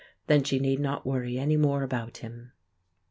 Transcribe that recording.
Then she need not worry any more about him.